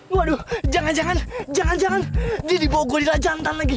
waduh jangan jangan jangan jangan dia dibawa gorilla jantan lagi